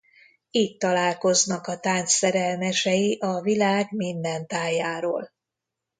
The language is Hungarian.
Itt találkoznak a tánc szerelmesei a világ minden tájáról.